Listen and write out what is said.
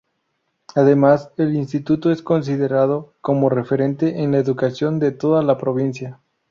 Además, el Instituto es considerado como referente en la educación de toda la provincia.